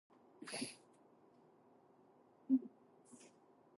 I have replenished my pastures with cattle and my ponds with fish.